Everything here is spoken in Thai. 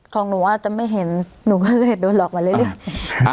ของหนูอาจจะไม่เห็นหนูก็เลยโดนหลอกมาเรื่อย